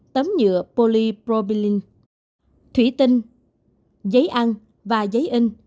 tấm nhựa polypropylene thủy tinh giấy ăn và giấy in